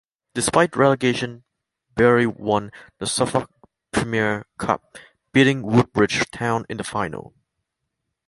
Despite relegation Bury won the Suffolk Premier Cup, beating Woodbridge Town in the final.